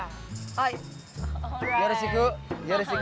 oh dan kemudian saya bisa menjawab